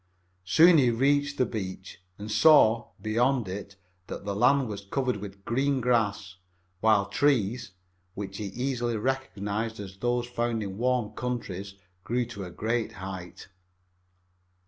Soon he reached the beach and saw, beyond it, that the land was covered with green grass, while trees, which he easily recognized as the kind found in warm countries, grew to a great height.